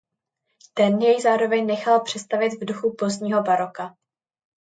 Ten jej zároveň nechal přestavět v duchu pozdního baroka.